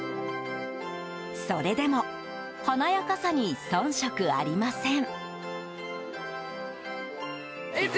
それでも華やかさに遜色ありません。